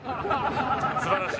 素晴らしい。